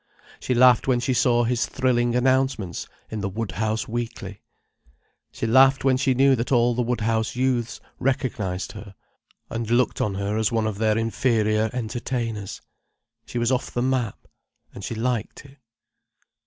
She laughed when she saw his thrilling announcements in the Woodhouse Weekly. She laughed when she knew that all the Woodhouse youths recognized her, and looked on her as one of their inferior entertainers. She was off the map: and she liked it.